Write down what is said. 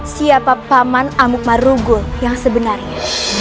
siapa paman amuk marugul yang sebenarnya